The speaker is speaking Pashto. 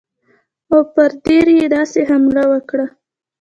او پر دیر یې داسې حمله وکړه.